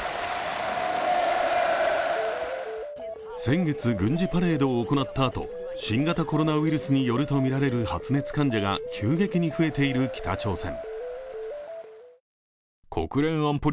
先月、軍事パレードを行ったあと新型コロナウイルスによるとみられる、発熱患者が急激に増えている北朝鮮。